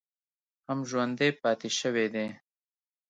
هم ژوندی پاتې شوی دی